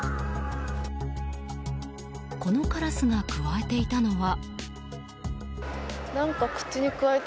このカラスがくわえていたのは。